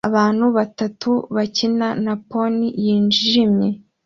Abana batatu bakina na pony yijimye